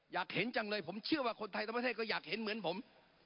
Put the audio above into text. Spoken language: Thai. อยากเห็นจังเลยผมเชื่อว่าคนไทยทั้งประเทศก็อยากเห็นเหมือนผม